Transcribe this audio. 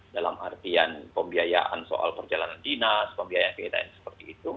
dalam artian pembiayaan soal perjalanan dinas pembiayaan kegiatan seperti itu